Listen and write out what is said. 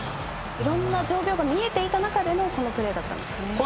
いろんな状況が見えた中でのプレーだったんですね。